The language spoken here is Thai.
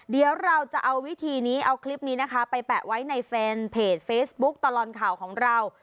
เดี๋ยวเราจะเอาวิธีนี้เอาคลิปนี้นะคะไปแปะไว้ในแฟนเพจเฟซบุ๊คตลอดข่าวของเรา